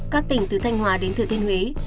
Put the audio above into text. các tỉnh từ thanh hòa đến thừa thiên huế